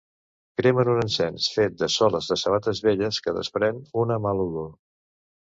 Cremen un encens fet de soles de sabates velles que desprèn una mala olor.